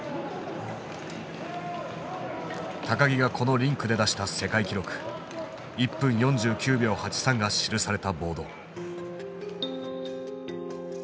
木がこのリンクで出した世界記録１分４９秒８３が記されたボード。